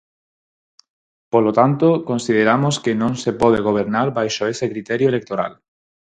Polo tanto, consideramos que non se pode gobernar baixo ese criterio electoral.